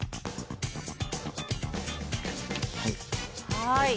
はい。